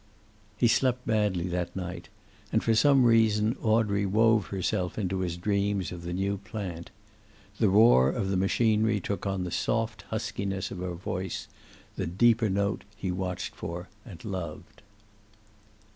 He slept badly that night, and for some reason Audrey wove herself into his dreams of the new plant. The roar of the machinery took on the soft huskiness of her voice, the deeper note he watched for and loved.